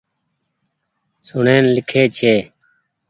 سون ڙين لکي جي۔